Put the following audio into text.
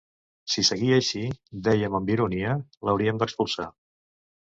Si seguia així, déiem amb ironia, l’hauríem d’expulsar.